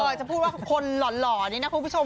จะพูดว่าคนหล่อนี่นะคุณผู้ชม